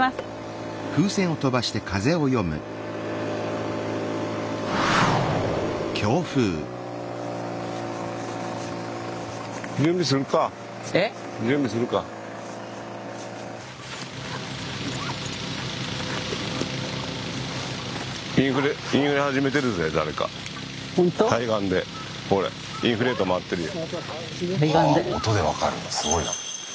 はぁもう音で分かるんだすごいな。